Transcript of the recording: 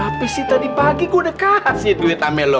tapi sih tadi pagi gue udah kasih duit ame lo